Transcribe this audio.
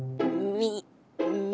み？